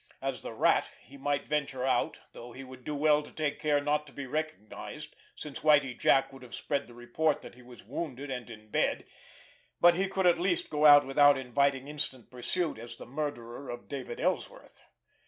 As the Rat, he might venture out, though he would do well to take care not to be recognized, since Whitie Jack would have spread the report that he was wounded and in bed; but he could at least go out without inviting instant pursuit as the "murderer" of David Ellsworth.